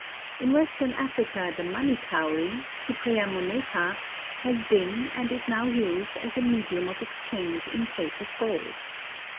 In western Africa the money cowry (Cypraea moneta) has been and is now used as a medium of exchange in place of gold.